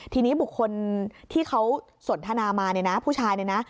ทีนี้บุคคลที่เขาสนทนามาเนี่ยนะผู้ชายเนี่ยนะ